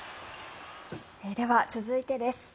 では、続いてです。